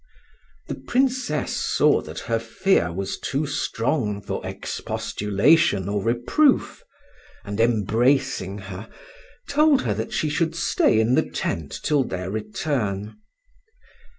The Princess saw that her fear was too strong for expostulation or reproof, and, embracing her, told her that she should stay in the tent till their return.